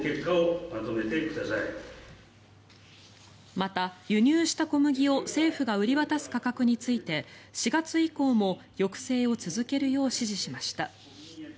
また、輸入した小麦を政府が売り渡す価格について４月以降も抑制を続けるよう指示しました。